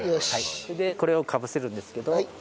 それでこれをかぶせるんですけど。